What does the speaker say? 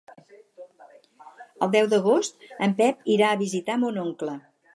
El deu d'agost en Pep irà a visitar mon oncle.